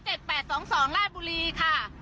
กเก๗๘๒๒ร้ายบุลีค่ะ